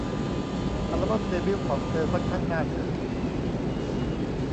อัลบั้มเดบิวต์ของเธอค่อนข้างน่าทึ่ง